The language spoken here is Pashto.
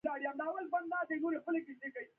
چې عموما په سلوب لرونکو ناوونو کې اعماریږي.